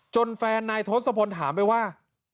จนแฟนไนทศพล์ถามไปว่า